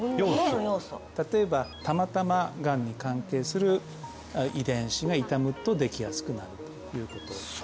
例えばたまたまがんに関係する遺伝子が傷むとできやすくなるということなんですね